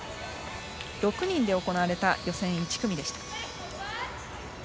６人で行われた予選１組でした。